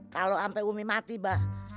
kalau ampe umi mati mbah